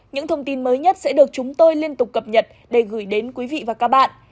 những thông tin mới nhất sẽ được chúng tôi liên tục cập nhật để gửi đến quý vị và các bạn